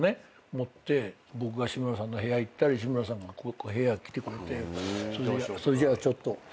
持って僕が志村さんの部屋行ったり志村さんが部屋来てくれてそれじゃあちょっと。